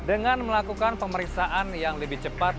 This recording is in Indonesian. dengan melakukan pemeriksaan yang lebih cepat